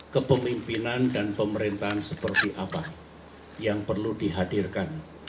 kepemimpinan dan pemerintahan seperti apa yang perlu dihadirkan